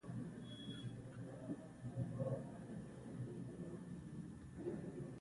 غول د قهوې اغېز ښيي.